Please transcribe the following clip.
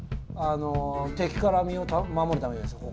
敵から身を守るためじゃないですか。